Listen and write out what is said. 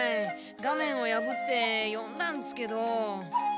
画面をやぶってよんだんですけど。